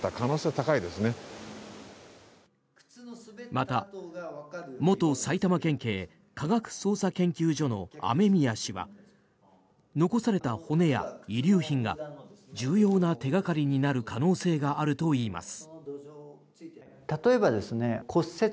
また元埼玉県警科学捜査研究所の雨宮氏は残された骨や遺留品が重要な手掛かりになる可能性があるといいます。